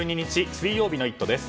水曜日の「イット！」です。